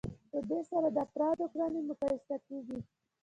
په دې سره د افرادو کړنې مقایسه کیږي.